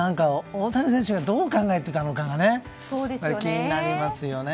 大谷選手がどう考えていたのか気になりますよね。